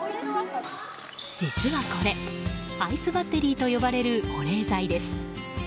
実はこれ、アイスバッテリーと呼ばれる保冷剤です。